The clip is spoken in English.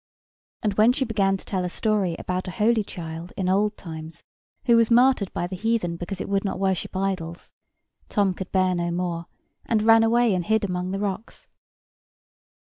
And, when she began to tell a story about a holy child in old times, who was martyred by the heathen because it would not worship idols, Tom could bear no more, and ran away and hid among the rocks.